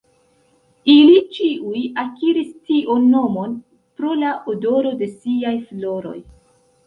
Ili ĉiuj akiris tiun nomon pro la odoro de siaj floroj.